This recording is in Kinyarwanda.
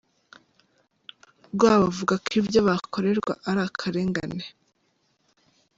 rw bavuga ko ibyo bakorerwa ari akarengane.